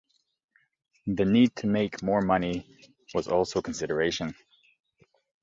The need to make more money was also a consideration.